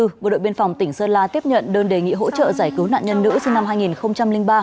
đoàn tụ của đội biên phòng tỉnh sơn la tiếp nhận đơn đề nghị hỗ trợ giải cứu nạn nhân nữ sinh năm hai nghìn ba